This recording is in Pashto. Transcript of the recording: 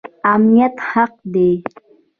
امنیت حق دی